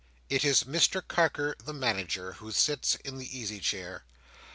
It is Mr Carker the Manager who sits in the easy chair.